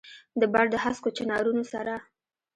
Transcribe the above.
دبڼ دهسکو چنارونو سره ،